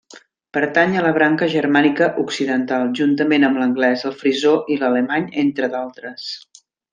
Pertany a la branca germànica occidental, juntament amb l'anglès, el frisó i l'alemany entre d'altres.